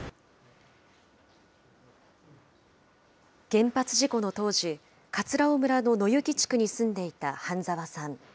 原発事故の当時、葛尾村の野行地区に住んでいた半澤さん。